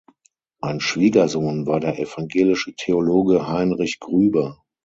Ein Schwiegersohn war der evangelische Theologe Heinrich Grüber.